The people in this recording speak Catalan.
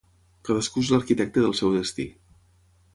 Cadascú és l'arquitecte del seu destí.